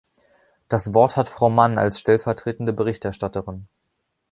Das Wort hat Frau Mann als stellvertretende Berichterstatterin.